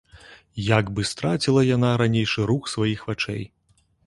Як бы страціла яна ранейшы рух сваіх вачэй.